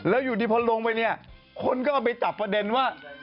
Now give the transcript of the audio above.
แล้วอยู่ดีพอลงไปเนี่ยคนก็เอาไปจับประเด็นว่า